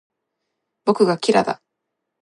僕がキラだ